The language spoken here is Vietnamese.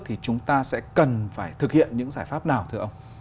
thì chúng ta sẽ cần phải thực hiện những giải pháp nào thưa ông